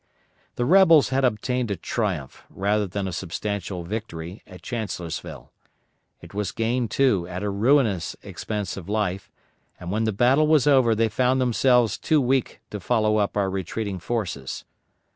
The rebels had obtained a triumph, rather than a substantial victory, at Chancellorsville. It was gained, too, at a ruinous expense of life, and when the battle was over they found themselves too weak to follow up our retreating forces.